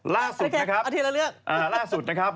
ล่าสุดนะครับอาทิตย์ละเรื่อง